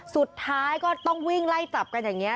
สุดท้ายก็ต้องวิ่งไล่จับกันอย่างนี้